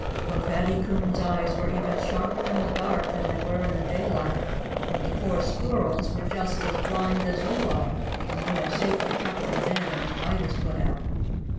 For Fatty Coon's eyes were even sharper in the dark than they were in the daylight; but the poor squirrels were just as blind as you are when you are safely tucked in bed and the light is put out.